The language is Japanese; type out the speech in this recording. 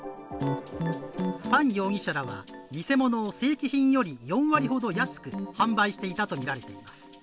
ファン容疑者らは偽物を正規品より４割ほど安く販売していたとみられています。